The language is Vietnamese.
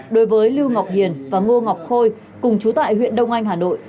đối với lưu ngọc hiền và ngô ngọc khôi cùng trú tại huyện đông anh hà nội